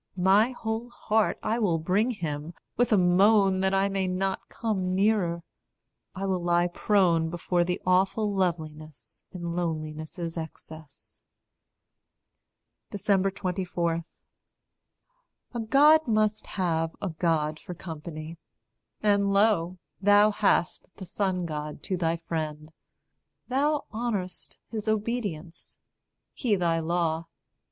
My whole heart I will bring him, with a moan That I may not come nearer; I will lie prone Before the awful loveliness in loneliness' excess." 24. A God must have a God for company. And lo! thou hast the Son God to thy friend. Thou honour'st his obedience, he thy law.